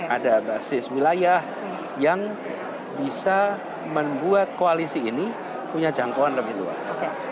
ada basis wilayah yang bisa membuat koalisi ini punya jangkauan lebih luas